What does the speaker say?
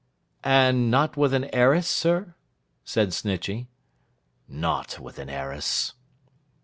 'And not with an heiress, sir?' said Snitchey. 'Not with an heiress.